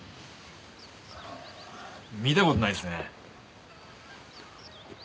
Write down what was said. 見た事ないっすね。